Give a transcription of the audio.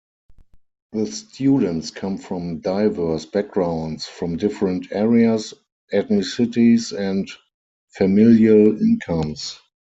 The students come from diverse backgrounds-from different areas, ethnicities, and familial incomes.